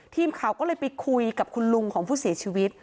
ทีมข่าวก็เลยไปคุยกับคุณลุงของผู้เสียชีวิต